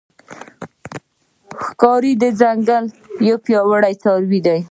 ښکاري د ځنګل یو پیاوړی څاروی دی.